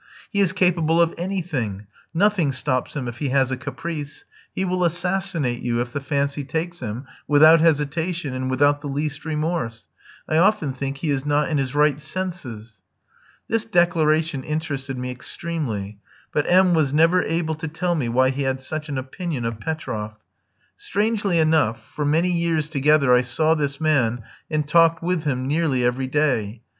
"He is capable of anything, nothing stops him if he has a caprice. He will assassinate you, if the fancy takes him, without hesitation and without the least remorse. I often think he is not in his right senses." This declaration interested me extremely; but M was never able to tell me why he had such an opinion of Petroff. Strangely enough, for many years together I saw this man and talked with him nearly every day.